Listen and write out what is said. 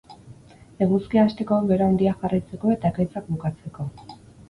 Eguzkia hasteko, bero handia jarraitzeko eta ekaitzak bukatzeko.